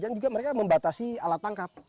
dan juga mereka membatasi alat tangkap